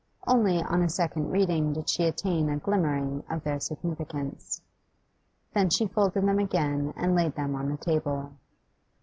Only on a second reading did she attain a glimmering of their significance. Then she folded them again and laid them on the table.